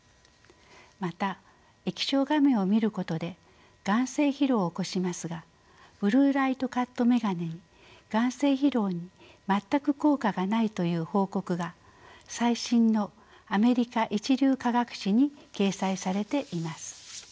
また液晶画面を見ることで眼精疲労を起こしますがブルーライトカット眼鏡に眼精疲労に全く効果がないという報告が最新のアメリカ一流科学誌に掲載されています。